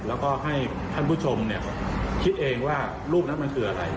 แล้วก็ให้ท่านผู้ชมคิดเองว่ารูปนั้นมันคืออะไร